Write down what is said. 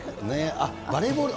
バレーボール。